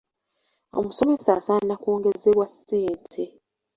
Omusomesa asaana kwongezebwa ssente.